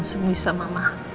semoga kamu semisah mama